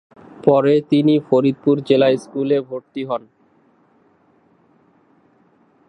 পরে তিনি ফরিদপুর জেলা স্কুলে ভর্তি হন।